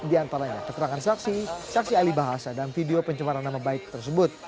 di antaranya keterangan saksi saksi ahli bahasa dan video pencemaran nama baik tersebut